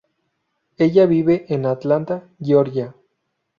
Ella vive en Atlanta, Georgia.